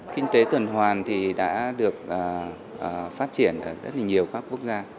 kinh tế tuần hoàn đã được phát triển ở rất nhiều các quốc gia